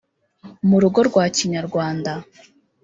- mu rugo rwa kinyarwanda